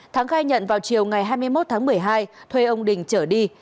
thắng khai nhận vào chiều ngày hai mươi một tháng một mươi hai thuê ông đình trở đi